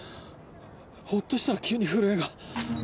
ほっとしたら急に震えが。